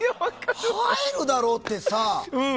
入るだろうって。